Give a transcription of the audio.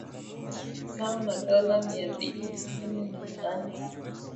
sawa na dola mia mbili tisini na nane